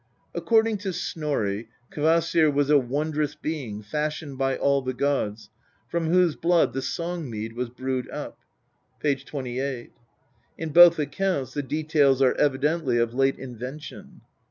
According to Snorri, Kvasir was a wondrous being fashioned by all the gods, from whose blood the Song mead was brewed (p. xxviii.). In both accounts the details are evidently of late invention.